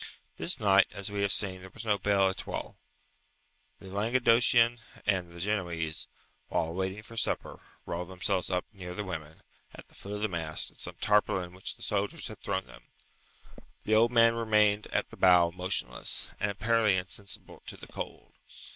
This night, as we have seen, there was no belle étoile. The Languedocian and the Genoese, while waiting for supper, rolled themselves up near the women, at the foot of the mast, in some tarpaulin which the sailors had thrown them. The old man remained at the bow motionless, and apparently insensible to the cold.